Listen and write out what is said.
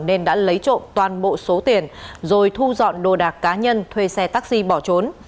nên đã lấy trộm toàn bộ số tiền rồi thu dọn đồ đạc cá nhân thuê xe taxi bỏ trốn